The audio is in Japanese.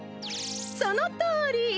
そのとおり！